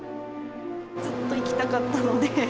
ずっと行きたかったので。